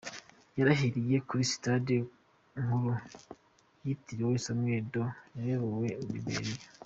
Yarahiriye kuri Stade nkuru yitiriewe Samuel Doe wayoboye Liberia.